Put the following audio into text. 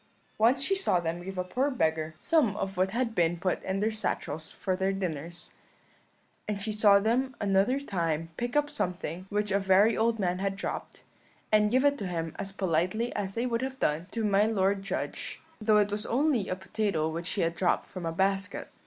Once she saw them give a poor beggar some of what had been put in their satchels for their dinners; and she saw them another time pick up something which a very old man had dropped, and give it him as politely as they would have done to my lord judge, though it was only a potato which he had dropped from a basket.